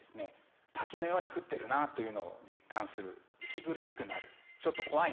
滝のように降ってるなというのを実感する息苦しくなるちょっと怖いなというふうに感じる。